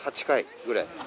８回ぐらい。